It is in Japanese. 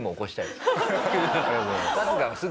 ありがとうございます。